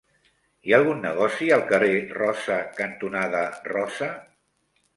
Hi ha algun negoci al carrer Rosa cantonada Rosa?